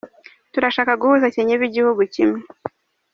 Turashaka guhuza Kenya ibe igihugu kimwe.”